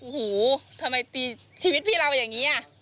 โอ้โหทำไมตีชีวิตพี่เราอย่างนี้